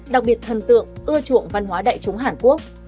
đặc biệt thần tượng ưa chuộng văn hóa đại chúng hàn quốc